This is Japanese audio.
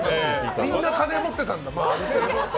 みんな金持ってたんだ。